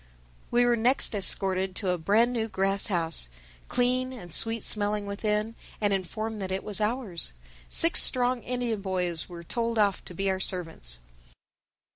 We were next escorted to a brand new grass house, clean and sweet smelling within, and informed that it was ours. Six strong Indian boys were told off to be our servants.